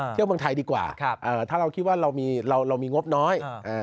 เที่ยวเมืองไทยดีกว่าถ้าเราคิดว่าเรามีงบน้อย